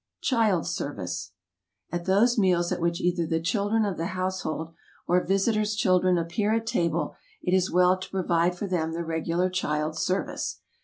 Child's Ch ilcT s Service AT THOSE meals at which either the children L of the household or visitors' children appear at table, it is well to provide for them the regular child's service.